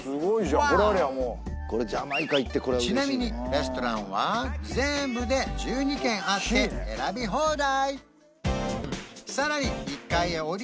ちなみにレストランは全部で１２軒あって選び放題！